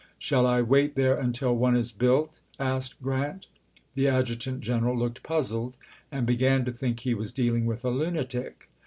"Shall I wait there until one is built ?" asked Grant. The adjutant general looked puzzled, and began to think he was dealing with a lunatic.